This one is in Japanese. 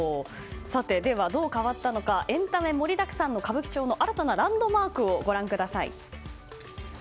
では、どう変わったのかエンタメ盛りだくさんの歌舞伎町の新たなランドマークをご覧ください。